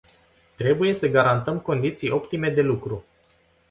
Trebuie să garantăm condiții optime de lucru.